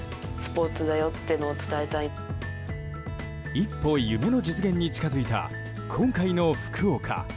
一歩、夢の実現に近づいた今回の福岡。